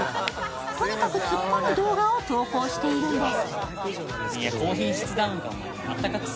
とにかく突っ込む動画を投稿しているんです。